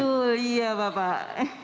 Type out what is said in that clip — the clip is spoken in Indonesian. betul iya bapak